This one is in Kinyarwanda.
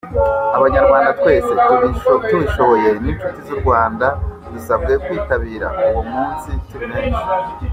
Abanyarwanda twese tubishoboye n’inshuti z’u Rwanda dusabwe kwitabira uwo munsi turi benshi.